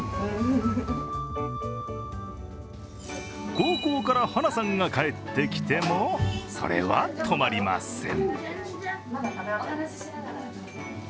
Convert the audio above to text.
高校から晴名さんが帰ってきてもそれは止まりません。